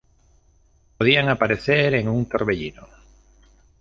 Podían aparecer en un torbellino.